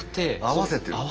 合わせてる。